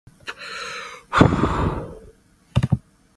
Hit versions of the song were recorded by Eddie Fisher and Don Cherry.